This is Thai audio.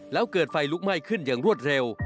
แล้วเกิดไฟลุกไหม้ขึ้นอย่างรวดเร็ว